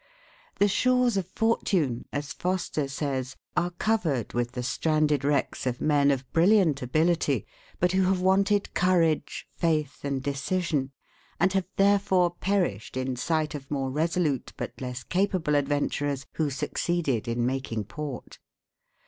The shores of fortune, as Foster says, are covered with the stranded wrecks of men of brilliant ability, but who have wanted courage, faith, and decision, and have therefore perished in sight of more resolute but less capable adventurers, who succeeded in making port.